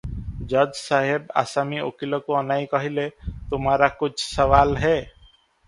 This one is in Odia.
ଜଜ୍ ସାହେବ ଆସାମୀ ଓକିଲକୁ ଅନାଇ କହିଲେ - ତୁମାରା କୁଛ୍ ସବାଲ ହେ?